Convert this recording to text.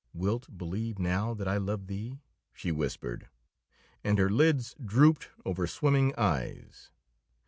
"Wilt believe now that I love thee?" she whispered, and her lids drooped over swimming eyes.